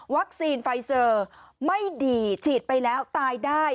ไฟเซอร์ไม่ดีฉีดไปแล้วตายได้